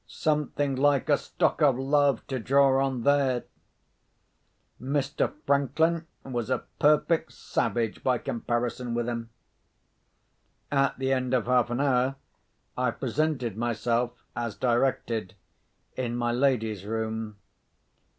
Something like a stock of love to draw on there! Mr. Franklin was a perfect savage by comparison with him. At the end of half an hour, I presented myself, as directed, in my lady's room.